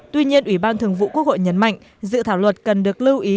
tuy nhiên ủy ban thường vụ quốc hội nhấn mạnh dự thảo luật cần được lưu ý